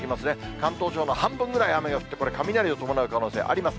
関東地方の半分ぐらい雨が降って、これ、雷を伴う可能性あります。